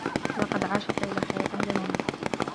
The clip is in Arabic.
لقد عاشت ليلى حياة جميلة.